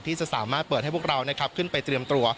ที่จะสามารถเปิดให้พวกเราขึ้นไปเตรียมตัว